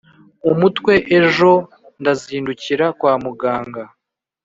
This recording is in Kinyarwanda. umutwe ejo ndazindukira kwa muganga”